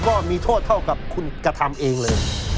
ก็มีโทษเท่ากับคุณกระทำเองเลย